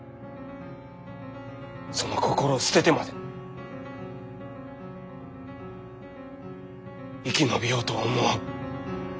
その心を捨ててまで生き延びようとは思わん。